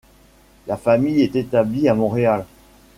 La famille est établie à Montréal.